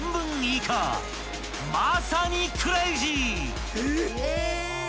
［まさに］